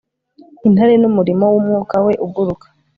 Intare numuriro wumwuka we uguruka